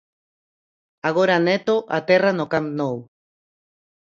Agora Neto aterra no Camp Nou.